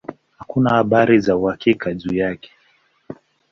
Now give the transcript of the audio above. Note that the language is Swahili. Hakuna habari za uhakika juu yake.